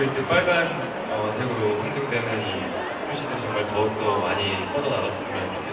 และได้เข้ามาที่ประเทศไทยก็รู้สึกดีใจที่มีแบรนด์ของเกาหลีได้มากกว่าที่ประเทศไทยด้วย